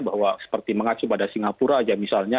bahwa seperti mengacu pada singapura aja misalnya